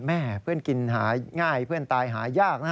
แม่เพื่อนกินหาง่ายเพื่อนตายหายากนะ